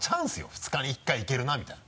２日に１回いけるなみたいな。